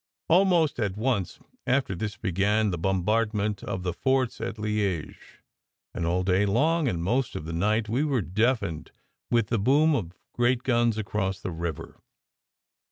Almost at once after this began the bombardment of the forts at Liege; and all day long and most of the night we 216 SECRET HISTORY were deafened with the boom of great guns across the river.